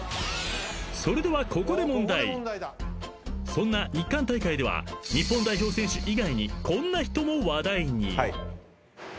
［そんな日韓大会では日本代表選手以外にこんな人も話題に］